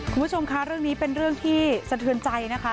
คุณผู้ชมคะเรื่องนี้เป็นเรื่องที่สะเทือนใจนะคะ